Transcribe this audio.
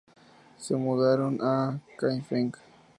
Se mudaron a Kaifeng.